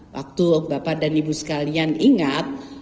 waktu bapak dan ibu sekalian ingat